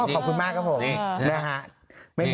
ขอบคุณมากครับผม